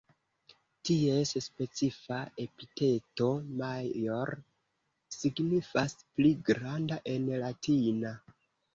Ties specifa epiteto "major", signifas "pli granda" en latina.